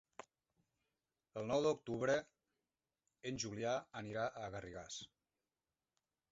El nou d'octubre en Julià irà a Garrigàs.